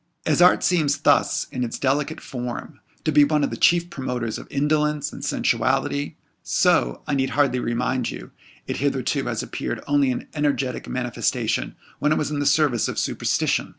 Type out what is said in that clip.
As art seems thus, in its delicate form, to be one of the chief promoters of indolence and sensuality, so, I need hardly remind you, it hitherto has appeared only in energetic manifestation when it was in the service of superstition.